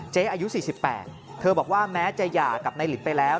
อายุ๔๘เธอบอกว่าแม้จะหย่ากับนายหลินไปแล้ว